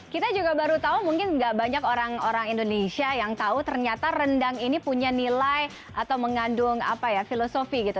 kita juga baru tahu mungkin nggak banyak orang orang indonesia yang tahu ternyata rendang ini punya nilai atau mengandung filosofi gitu